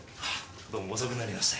どうも遅くなりました。